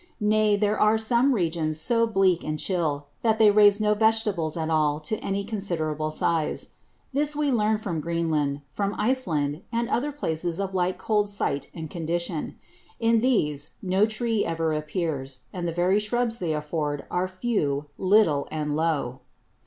Nay, there are some Regions so bleak and chill, that they raise no Vegetables at all to any considerable Size. This we learn from Greenland, from Iseland, and other Places of like cold Site and Condition. In these no Tree ever appears; and the very Shrubs they afford, are few, little, and low.